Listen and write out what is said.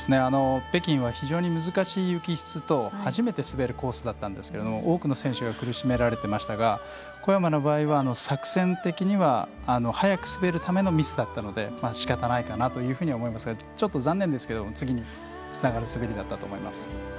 北京は非常に難しい雪質と始めて滑るコースだったんですけれども多くの選手が苦しめられていましたが小山の場合には作戦的には早く滑るためのミスだったのでしかたないかなと思いますがちょっと残念でしたけど次につながるすべりだったと思います。